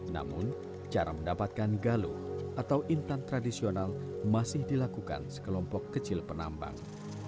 namun cara mendapatkan galu atau intan tradisional masih dilakukan sekelompok kecil penambang